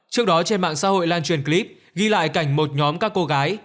trước đó trên mạng xã hội lan truyền clip ghi lại cảnh một nhóm các cô gái